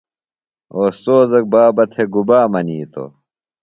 اوستوذہ بابہ تھےۡ گُبا منِیتوۡ؟